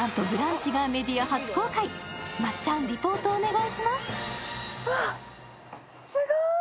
まっちゃん、リポートお願いします